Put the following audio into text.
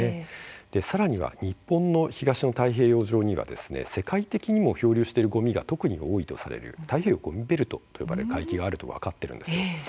さらに日本の東の太平洋上には世界的にも漂流しているごみが特に多いとされる太平洋ごみベルトと呼ばれる海域があることが分かっています。